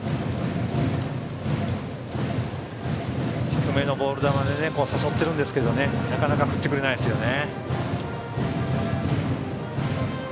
低めのボール球で誘っているんですがなかなか振ってくれないですよね。